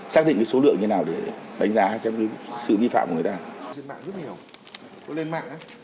xác định số lượng như thế nào để đánh giá cho sự vi phạm của người ta